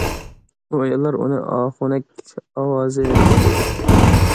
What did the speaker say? ئۇ ئاياللار ئۇنى ئاخۇنەك ئاۋازى دەپ ئاتايدۇ.